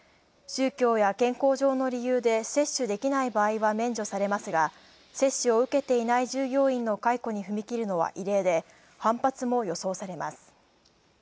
宗教や健康上の理由で接種できない場合は免除されますが、接種を受けていない従業員の解雇に踏み切るのは異例で反発も予想されます。